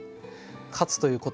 「勝つ」という言葉